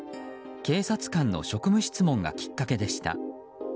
警察官の職務質問がきっかけでした。